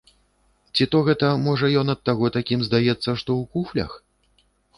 Ці то гэта, можа, ён ад таго такім здаецца, што ў куфлях?!.